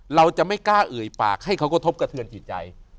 เราจะไม่กล้าเอ่ยปากให้เขากระทบกระเทือนจิตใจ